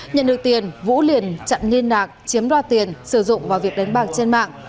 nhận được tiền vũ liền chặn nhiên đạc chiếm đoạt tiền sử dụng vào việc đánh bạc trên mạng